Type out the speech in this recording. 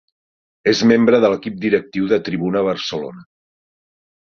És membre de l'equip directiu de Tribuna Barcelona.